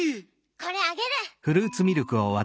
これあげる！